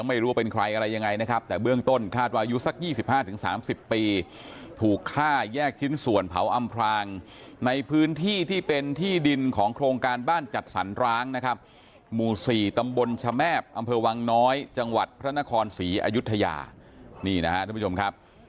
อำเภอวังน้อยจังหวัดพระนครศรีอายุทยานี่นะฮะทุกผู้ชมครับ